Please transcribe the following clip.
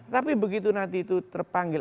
tapi begitu nanti itu terpanggil